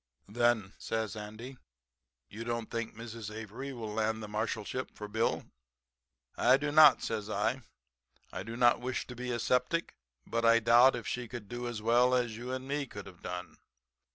"'Then,' says Andy, 'you don't think Mrs. Avery will land the Marshalship for Bill?' "'I do not,' says I. 'I do not wish to be a septic, but I doubt if she can do as well as you and me could have done.'